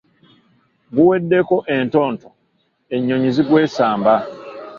Guweddeko entonto, ennyonyi zigwesamba.